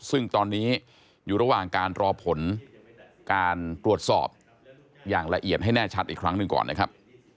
ซึ่งตอนนี้อยู่ระหว่างการรอผลการตรวจสอบอย่างละเอียดให้แน่ชัดอีกครั้งหนึ่งก่อนนะครับ